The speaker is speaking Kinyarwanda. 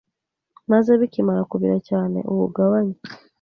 maze bikimara kubira cyane uwugabanye